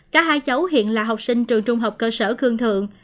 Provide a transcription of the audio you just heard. cả hai cháu hiện là học sinh trường trung học cơ sở khương thượng